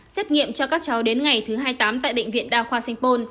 xét nghiệm cho các cháu đến ngày thứ hai mươi tám tại bệnh viện đa khoa sanh pôn